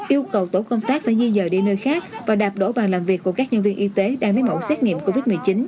yêu cầu tổ công tác phải di dời đi nơi khác và đạp đổ bàn làm việc của các nhân viên y tế đang lấy mẫu xét nghiệm covid một mươi chín